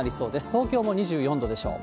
東京も２４度でしょう。